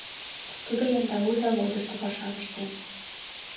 Тудо яндау заводышто пашам ыштен.